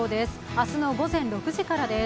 明日の午前６時からです。